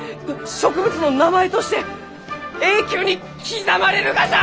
植物の名前として永久に刻まれるがじゃ！